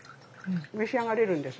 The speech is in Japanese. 召し上がれるんです。